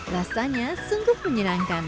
rasanya sungguh menyenangkan